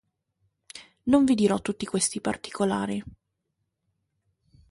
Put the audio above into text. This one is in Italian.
Non vi dirò tutti questi particolari.